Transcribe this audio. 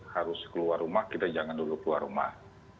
harus keluar rumah kita jangan dulu keluar rumah